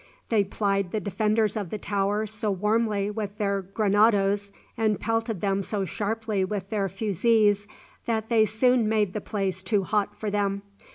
They plied the defenders of the tower so warmly with their grenadoes, and pelted them so sharply with their fusees that they soon made the place too hot for them.